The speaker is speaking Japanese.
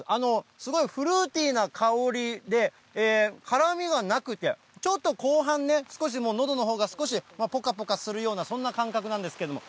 すごいフルーティーな香りで、辛みがなくて、ちょっと後半ね、少しのどのほうが、少しぽかぽかするような、そんな感覚なんですけれども。